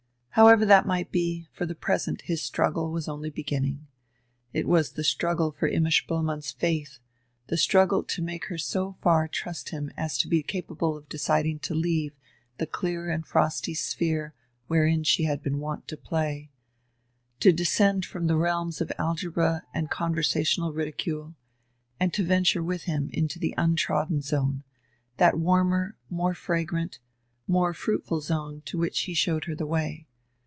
However that might be, for the present his struggle was only beginning. It was the struggle for Imma Spoelmann's faith, the struggle to make her so far trust him as to be capable of deciding to leave the clear and frosty sphere wherein she had been wont to play, to descend from the realms of algebra and conversational ridicule, and to venture with him into the untrodden zone, that warmer, more fragrant, more fruitful zone to which he showed her the way.